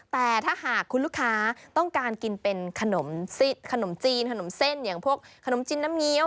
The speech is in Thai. แต่ถ้าหากคุณลูกค้าต้องการกินเป็นขนมจีนขนมเส้นอย่างพวกขนมจีนน้ำเงี้ยว